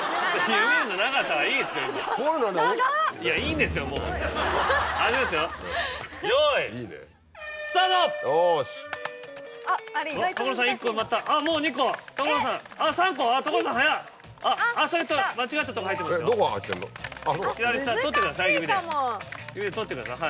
指で指で取ってください